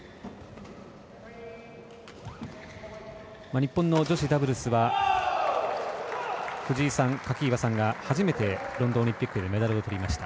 日本の女子ダブルスは藤井さん、垣岩さんがロンドンオリンピックでメダルをとりました。